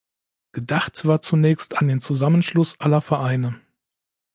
Gedacht war zunächst an den Zusammenschluss aller Vereine.